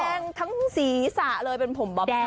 แดงทั้งสีสะเลยเป็นผมบ๊อบท่าน